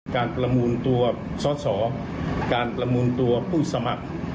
การประมูลตัวสอสอการประมูลตัวผู้สมัคร